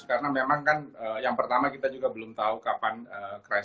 karena memang kan yang pertama kita juga belum tahu kapan krisis